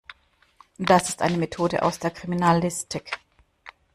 Das ist eine Methode aus der Kriminalistik.